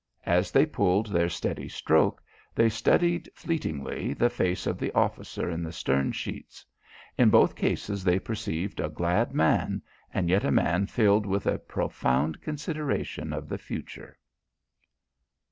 As they pulled their steady stroke, they studied fleetingly the face of the officer in the stern sheets. In both cases they perceived a glad man and yet a man filled with a profound consideration of the future.